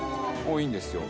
多いんですよ。